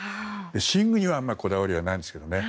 寝具にはあまりこだわりはないんですけどね。